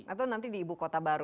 atau nanti di ibu kota baru